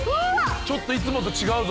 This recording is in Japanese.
ちょっといつもと違うぞ。